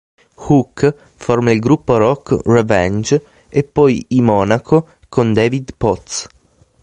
Hook forma il gruppo rock Revenge e poi i Monaco con David Potts.